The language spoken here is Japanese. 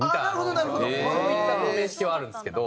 そういった面識はあるんですけど。